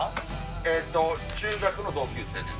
えっと中学の同級生です。